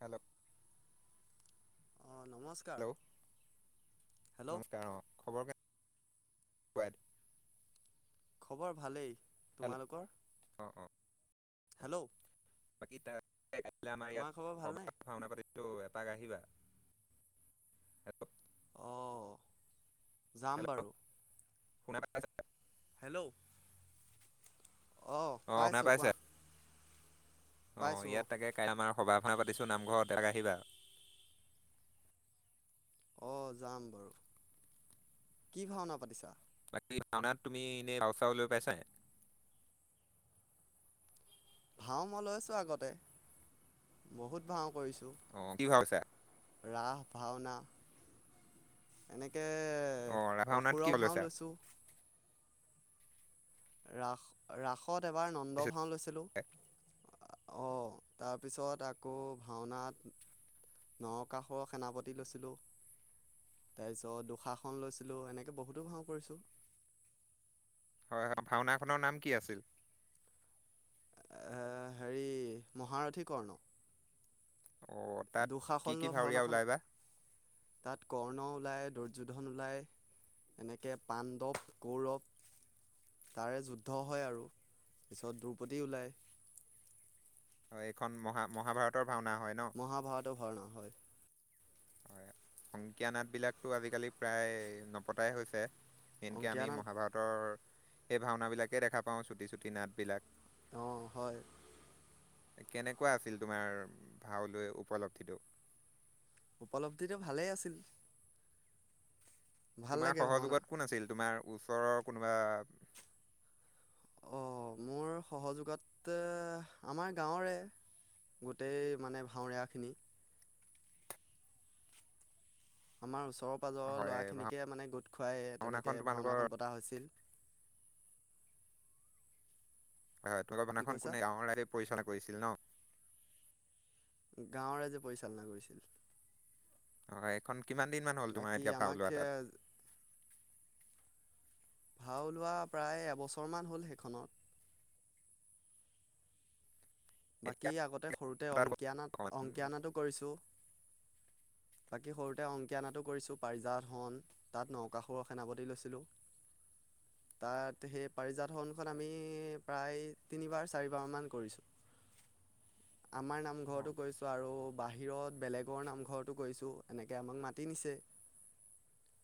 Hello? অ' নমস্কাৰ। Hello hello নমস্কাৰ অ খবৰ কেনে খবৰ ভালেই, হেল্ল' তোমালোকৰ অ অ অ হেল্ল'? বাকী ত আমাৰ তোমাৰ খবৰ ইয়াত সভ ভালনে ভাওনা পাতি ত' এপাক আহিবা [unintelligible] অঁ যাম বাৰু। শু [unintelligible] হেল্ল'? অঁ অ' শুনা পাইছোঁ কোৱা পাইছে? অ' পাইছোঁ ইয়াত অঁ তাকে কাইলৈ আমাৰ সভা এখন পাতিছো নামঘৰত এপাক আহিবা। অ' যাম বাৰু কি ভাওনা পাতিছা? বাকী ভাওনাত তুমি এনেই ভাও চাও লৈ পাইছা? ভাও মই লৈছো আগতে, বহুত ভাও কৰিছোঁ। অ' কি ভাও লৈছা? ৰাস ভাওনা এনেকে অ এ ভাওনাত কি অসুৰৰ ভাও ভাওঁ লৈছা লৈছোঁ। ৰাস ৰাসত এবাৰ নন্দ ভাওঁ লৈছিলোঁ। অঁ তাৰপিছত আকৌ ভাওনাত নৰকাসুৰৰ সেনাপতি লৈছিলো। তাৰ পিছত দুষাশন লৈছিলো, এনেকে বহুতো ভাওঁ কৰিছো। হয়, হয় ভাওনা খনৰ নাম কি আছিল। এ হেৰি মহাৰথী কৰ্ণ। অ তাত কি কি দুষাশলোৱা ভাৱৰীয়া ভাওনাখন ওলাই বা তাত কৰ্ণ ওলায় দোৰ্যোধন ওলায় এনেকে পাণ্ডৱ কৌৰৱ তাৰে যুদ্ধ হয় আৰু, পিছত দ্ৰুপদী ওলাই। হয়, এইখন মহা মহাভাৰতৰ ভাওনা হয় ন। মহাভাৰতৰ ভওণা হয়। হয় সংকীয়া নাট বিলাকতো আজিকালি প্ৰায় নপতাই হৈছে। মেইনকে অংকীয়া আমি নাট মহাভাৰত তৰ এই ভাওনা বিলাকে দেখা পাওঁ চুটি চুটি নাট বিলাক। অ' হয়। কেনেকুৱা আছিল তোমাৰ ভাওলৈ উপল্ধিটো? উপলব্ধিটো ভালেই আছিল। ভাল তোমাৰ লাগে ভাওনা সহযোগত কোন আছিল, তোমাৰ ওচৰৰ কোনোবা? অঁ মোৰ সহযোগত আমাৰ গাঁৱৰে গোটেই মানে ভাওৰীয়াখিনি। আমাৰ ওচৰৰ পাঁজৰৰ হয় ভাও- ল'ৰাখিনিকে মানে গোট খুৱাই ভাওনাখন তেনেকে তোমালোকৰ ভাওনাখন পতা হৈছিল। [unintelligible] তলৰ কি ভাওনা খন কৈছা কোনে গাঁৱ ৰাইজে পৰিচালনা কৰিছিল ন? গাঁওৰ ৰাইজে পৰিচালনা কৰিছিল। অ' এইখন কিমান দিনমান হ'ল তোমাৰ বাকী এতিয়া আমাক ভাওলোৱা এ, তাত? ভাও ওলোৱা প্ৰায় এবছৰমান হ'ল সেইখনত। এতিয়া বাকী আগতে সৰুতে তাত অংকীয়া নাট অকমান- অংকীয়া নাটো কৰিছোঁ। বাকী সৰুতে অংকীয়া নাটো কৰিছো পাৰিজা হৰণ তাত নকাসুৰৰ সেনাপতি লৈছিলো তাত সেই পাৰিজাতহৰণখন আমি প্ৰায় তিনিবাৰ চাৰিবাৰমান কৰিছো আমাৰ নামঘৰটো অ- কৰিছোঁ আৰু বাহিৰত বেলেগৰ নামঘৰটো কৰিছোঁ এনেকে আমাক মাতি নিছে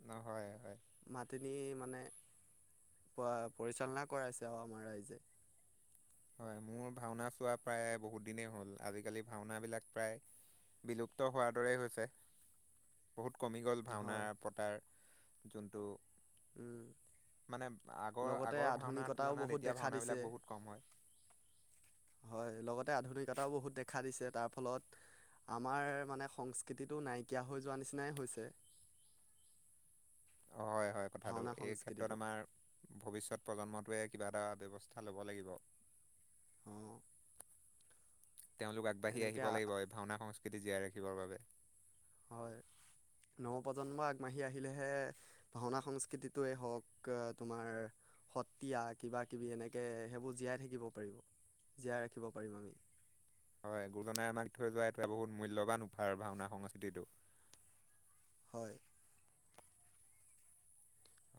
ন হয়! হয়! মাতি নি মানে পৰিচালনা কৰাইছে অ আমাৰ ৰাইজে হয়' মোৰ ভাওঁনা চোৱা প্ৰায় বহুত দিনেই হ'ল। আজিকালি ভাওঁনাবিলাক প্ৰায় বিলুপ্ত হোৱাৰ দৰেই হৈছে বহুত কমি গ'ল ভাওঁনা হয় পতাৰ যোনটো উঃ মানে আগৰ আগৰ ভাওঁনাৰ তুলনাত বহুত এতিয়া দেখা ভাওঁনা দিছে বিলাক বহুত কম হয়। হয় 'লগতে আধুনিকতাও বহুত দেখা দিছে তাৰ ফলত আমাৰ মানে সংস্কৃতিটো নাইকিয়া হৈ যোৱা নিচিনাই হৈছে। অ হয় হয় কথাটো ভাওনা এই সংস্কৃতিটো ক্ষেত্ৰত আমাৰ ভৱিষ্যত প্ৰজন্মটোৱে কিবা এটা ব্যৱস্থা লব লাগিব। অ অ তেওঁলোক আগবাঢ়ি এনেকৈ আহিব লাগিব এই ভাওঁনা সংস্কৃতি জীয়াই ৰাখিবৰ বাবে। হয় 'নৱপ্ৰজন্ম আগবাঢ়ি আহিলেহে। ভাওঁনা সংস্কৃতিটোৱে হওঁক তোমাৰ সত্ৰীয়া কিবা কিবি এনেকে সেইবোৰ জীয়াই থাকিব পাৰিব। জীয়াই ৰাখিব পাৰিম আমি। হয় গুৰুজনাই আমাক থৈ যোৱা এইটোৱে বহুত মূল্যবান উফাৰ ভাওনা সংস্কৃতিটো। হয়।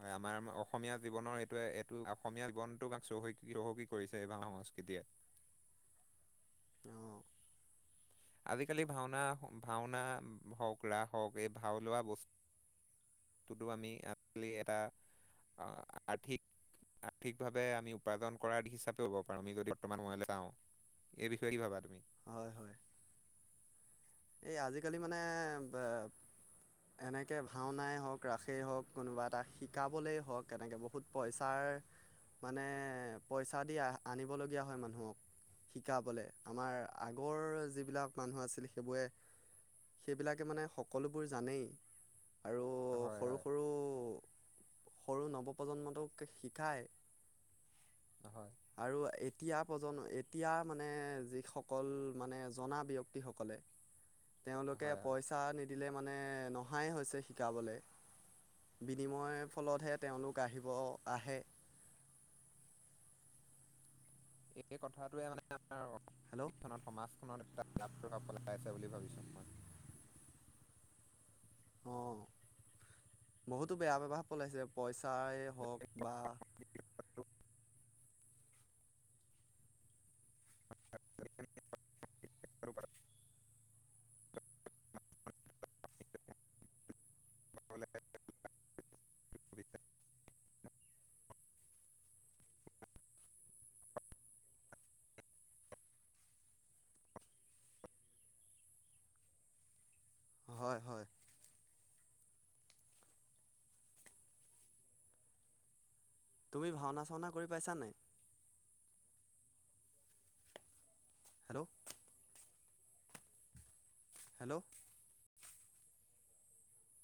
হয় আমাৰ অসমীয়া জীৱনৰ এইটোৱে এইটো অসমীয়া জীৱনটোক আমাক চহকী চহকী কৰিছে এই ভাওঁনা সংস্কৃতিয়ে। অ। আজিকালি ভাওঁনা ভাওঁনা হওঁক ৰাস হওঁক এই ভাওঁ লোৱা বস্তু তদু আমি আজি এটা আহ আৰ্থিক। আৰ্থিকভাৱে আমি উপাৰ্জন কৰাাৰ দিশ হিচাপেও হ'ব পাৰোঁ আমি যদি বৰ্তমান সময়লৈ যাওঁ এই বিষয়ে কি ভাবা তুমি হয় হয় এই আজিকালি মানে বে এনেকে ভাওনাই হওঁক ৰাসেই হওঁক কোনোবা এটা শিকাবলেই হওঁক কেনেকে বহুত পইছাৰ, মানে পইছা দি আহ আনিব লগীয়া হয় মানুহক। শিকাবলে, আমাৰ আগৰ যিবিলাক মানুহ আছিল সেইবোৰে, সেইবিলাকে মানে সকলোবোৰ জানেই। আৰু হয় সৰু হয় সৰু সৰু নৱ প্ৰজন্মটোক শিকাই। অ হয়। আৰু এতিয়া প্ৰজন এতিয়া মানে যিসকল মানে জনা ব্যক্তিসকলে। তেওঁলোকে হয় হয় পইছা নিদিলে মানে নহাই হৈছে শিকাবলে। বিনিময় ফলতহে তেওঁলোক আহিব আহে। [unintelligible] বেয়া প্ৰভাৱ হেল্ল' পেলাই আছে বুলি ভাবিছোঁ মই। অহ, বহুতো বেয়া প্ৰভাৱ পেলাইছে। পইছাই হওঁক বা [unintelligible] [unintelligible] হয় হয়। তুমি ভাওনা চাওনা কৰি পাইছা নাই? হেল্ল' হেল্ল'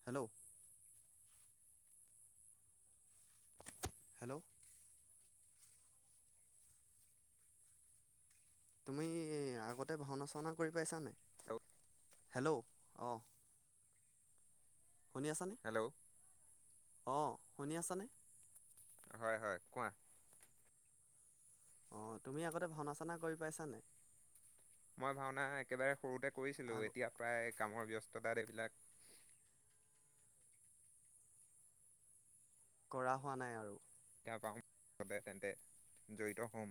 হেল্ল' হেল্ল' তুমি আগতে ভাওনা চাওনা কৰি পাইছা নাই? আগ হেল্ল' অহ। শুনি আছানে? হেল্ল' অ', শুনি আছানে? হয় হয়। কোৱা। অহ, তুমি আগতে ভাওনা চাওনা কৰি পাইছা নাই? মই ভাওনা একেবাৰে সৰুতে কৰিছিলোঁ। আগ এতিয়া প্ৰায় কামৰ ব্যস্ততাত এইবিলাক কৰা হোৱা নাই আৰু? পাওঁ তেন্তে জড়িত হ'ম।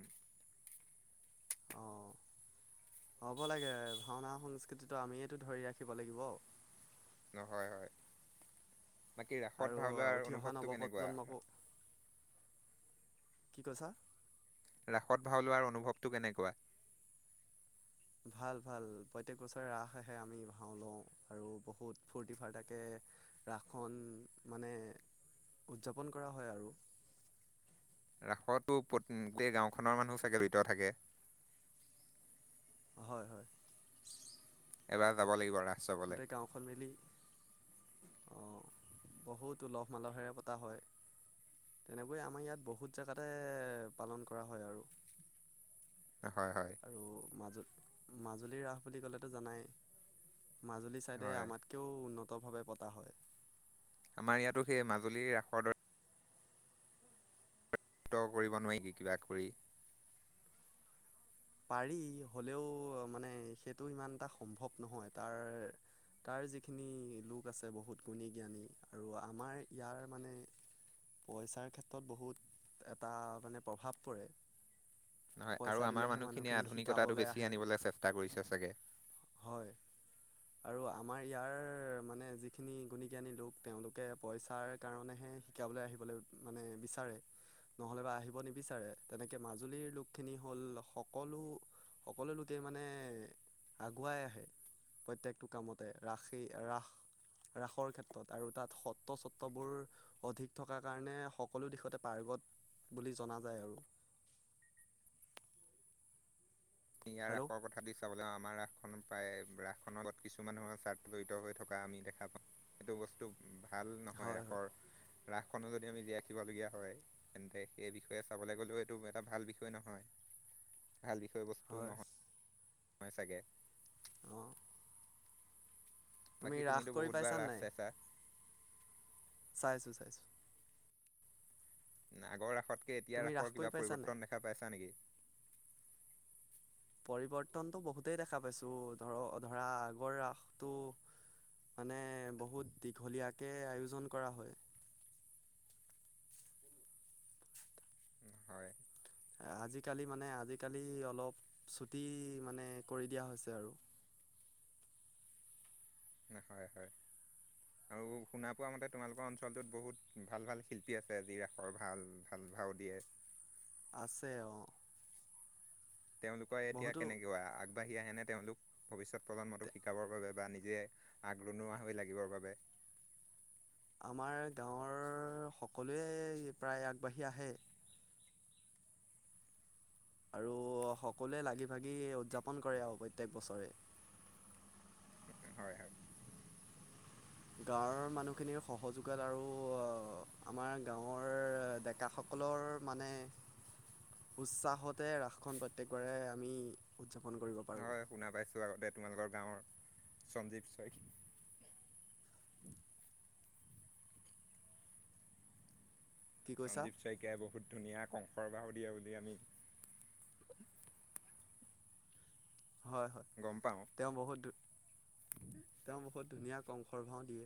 অঁ, হ'ব লাগে ভাওনা সংস্কৃতিটো আমিয়েটো ধৰি ৰাখিব লাগিব। ন' হয় হয়। বাকী আৰু ৰাসত ভাও লোৱাৰ উঠি অহা অনুভৱটো কেনেকুৱা? নৱপ্ৰজন্মকো কি কৈছা? ৰাসত ভাও লোৱাৰ অনুভৱটো কেনেকুৱা? ভাল ভাল, প্ৰত্যেক বছৰে ৰাস আহে আমি ভাও লওঁ। আৰু বহুত ফূৰ্তি ফাৰ্তাকে ৰাসখন মানে উদযাপন কৰা হয় আৰু। ৰাসটো ওপৰত উম গোটেই গাঁওখনৰ মানুহো চাগে জড়িত থাকে? হয় হয়। এবাৰ যাব লাগিব ৰাস চাবলৈ গোটেই গাঁওখন মিলি অঁ, বহুত উলহ মালহেৰে পতা হয়। তেনেকৈয়ে আমাৰ ইয়াত বহুত জেগাতে পালন কৰা হয় আৰু। হয়, হয়। আৰু মাজ মাজুলীৰ ৰাস বুলি ক'লেতো জানাই মাজুলী ছাইডে হয় আমাক বহুতো উন্নত ভাৱে পতা হয়। আমাৰ ইয়াতো সেই মাজুলী ৰাসৰ দৰে কিয় কৰিব নোৱাৰি নেকি কিবা কৰি পাৰি হলেও মানে সেইটো ইমান এটা সম্ভৱ নহয় তাৰ তাৰ যিখিনি লোক আছে বহুত গুণী জ্ঞানী আৰু আমাৰ ইয়াৰ মানে পইচাৰ ক্ষেত্ৰত বহুত এটা মানে প্ৰভাৱ পৰে। হয় আৰু পইচা আমাৰ দিলেহে মানুহখিনিয়ে মানুহখিনি আধুনিকতাটো শিকাবলৈ বেছি আহে আনিবলৈ চেষ্টা কৰিছে চাগে। হয়। আৰু আমাৰ ইয়াৰ মানে যিখিনি গুণীজ্ঞানী লোক তেওঁলোকে পইচাৰ কাৰণেহে শিকাবলৈ আহিবলৈ মানে বিচাৰে। নহ'লে বা আহিব নিবিচাৰে তেনেকে মাজুলীৰ লোকখিনি হ'ল সকলো, সকলো লোকে মানে আগুৱাই আহে। প্ৰত্যেকটো কামতে ৰাসেই, ৰাস ৰাসৰ ক্ষেত্ৰত আৰু তাত সত্ৰ সত্ববোৰ অধিক থকাৰ কাৰণে সকলো দিশতে পাৰ্গত বুলি জনা যায় আৰু। ইয়াৰ হেল্ল' ৰাখৰ কথা দি চাবলৈ আমাৰ ৰাস খনৰ প্ৰায় ৰাস খনৰ লগত কিছু মানুহৰ স্বাৰ্থ জড়িত হৈ থকা আমি দেখা পাও। সেইটো বস্তু ভাল নহয় হয় হয় ৰাসৰ, ৰাসখনো যদি আমি জীয়াই ৰাখিবলগীয়া হয়। তেন্তে সেই বিষয়ে চাবলৈ গলেও এইটো এটা ভাল বিষয় নহয় ভাল বিষয় বস্তু। হয়। হয় চাগে। অঁ তুমি বাকী ৰাস তুমিতো কৰি বহুতবাৰ পাইছা ৰাস নাই? চাইছা চাইছো, চাইছো। আগৰ ৰাসতকে এতিয়া তুমি ৰাস ৰাসৰ কৰি কিবা পাইছা নাই পৰিৱৰ্তন দেখা পাইছা নেকি? পৰিৱৰ্তনতটো বহুতেই দেখা পাইছো ধৰ ধৰা আগৰ ৰাসটো মানে বহুত দীঘলীয়াকে আয়োজন কৰা হয়। হয়। আজিকালি মানে আজিকালি অলপ ছুটি মানে কৰি দিয়া হৈছে আৰু। হয়, হয়। [inaudible] আৰু শুনা পোৱা মতে তোমালোকৰ অঞ্চলটোত বহুত ভাল, ভাল শিল্পী আছে যি ৰাসৰ ভাল, ভাল, ভাও দিয়ে। আছে অ' তেওঁলোকৰ এতিয়া বহুতো কেনেকুৱা আগ আগবাঢ়ি আহেনে তেওঁলোক ভৱিষ্যত প্ৰজন্মটো শিকাবৰ বাবে বা নিজে আগৰণুৱা হৈ লাগিবৰ বাবে। আমাৰ গাঁৱৰ সকলোৱে প্ৰায় আগ বাঢ়ি আহে। আৰু সকলোৱে লাগি ভাগি উদযাপন কৰে আৰু প্ৰত্যয়েক বছৰে। হয়, হয়। গাঁৱৰ মানুহখিনিৰ সহযোগত আৰু আমাৰ গাঁৱৰ ডেকা স সকলৰ মানে উৎসাহতে ৰাসখন প্ৰত্যেকবৰে আমি উদযাপন কৰিব পাৰো। হয়, শুনা পাইছো আগতে তোমালোকৰ গাঁৱৰ সঞ্জীৱ শইকী কি কৈছা? সঞ্জীৱ শইকীয়াই বহুত ধুনীয়া কংসৰ বাহু দিয়ে বুলি আমি হয়, হয়। [unintelligible] [unintelligible] তেওঁ বহুত ধুনীয়া কংসৰ ভাও দিয়ে।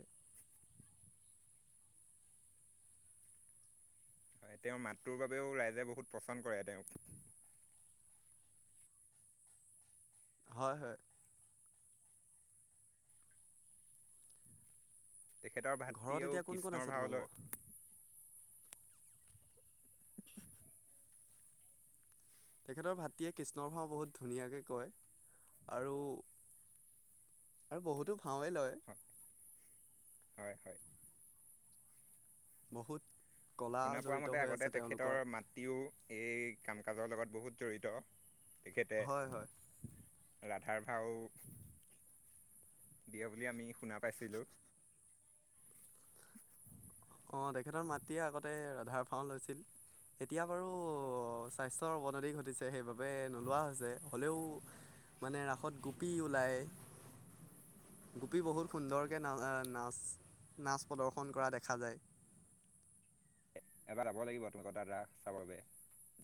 তেওঁৰ মাতটোৰ বাবেও ৰাইজে বহুত প্ৰচাৰ কৰে তেওঁক। হয়, হয়। তেখেতৰ বাত ঘৰত দিও এতিয়া কোন কোন আছে কৃষ্ণৰ ভাও তোমালোকৰ? লয় তেখেতৰ ভাতীয়ে কৃষ্ণৰ ভাও বহুত ধুনীয়াকৈ কয় আৰু আৰু বহুতো ভাওৱে লয়। [unintelligible] বহুত কলা জড়িত হৈ আছে তেওঁলোকৰ তিও এই কাম কাজৰ লগত বহুত জড়িত তেখেতে হয় হয় ৰাধাৰ ভাও দিয়ে বুলি আমি শুনা পাইছিলোঁ অ', তেখেতৰ মাতৃয়ে আগতে ৰাধাৰ ফা্ম লৈছিল এতিয়া বাৰু স্বাস্থ্যৰ অৱনতি ঘটিছে নোলোৱা হৈছে হ'লেও মানে ৰাসত গোপী ওলায়। গোপী বহুত সুন্দৰকে না নাচ নাচ প্ৰদৰ্শন কৰা দেখা যায়। এবাৰ যাব লাগিব তহত ফালে ৰাস চাব বাবে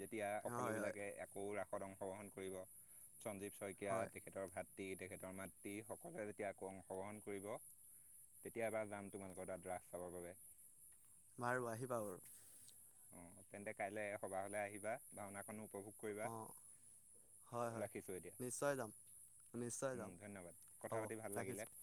যেতিয়া হয় হয় সকলোবিলাকে একৌ ৰাস অত অংশগ্ৰহণ কৰিব সঞ্জীৱ শইকীয়া হয় তেখেতৰ ভাত মাতৃ তেখেতৰ মাতৃ সকলোৱে তেতিয়া আকৌ অংশগ্ৰহণ কৰিব। তেতিয়াবাৰ যাম তোমালোকৰ তাত ৰাস চাবৰ বাবে বাৰু আহি বা বাৰু। অ তেন্তে কাইলৈ সবাহলে আহিবা ভাওনাখনো উপভোগ কৰিবা। অঁ হয় হয় ৰাখিছো এতিয়া নিশ্চয় যাম নিশ্চয় যাম উম, ধন্যবাদ হ'ব কথা পাতি ভাল ৰাখিছোঁ লাগিলে।